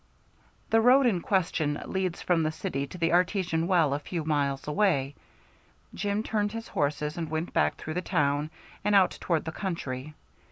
The road in question leads from the city to the artesian well a few miles away. Jim turned his horses and went back through the town and out toward the country.